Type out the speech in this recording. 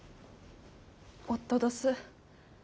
夫どす。